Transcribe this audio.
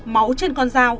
máu trên con dao